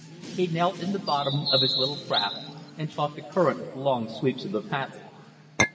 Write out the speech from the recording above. He knelt in the bottom of his little craft and fought the current with long sweeps of the paddle.